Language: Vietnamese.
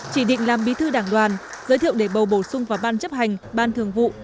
chỉ định làm bí thư đảng đoàn giới thiệu để bầu bổ sung vào ban chấp hành ban thường vụ